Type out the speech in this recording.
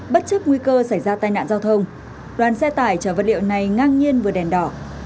bất chấp nguy cơ xảy ra tai nạn giao thông đoàn xe tải chở vật liệu này ngang nhiên vừa đèn đỏ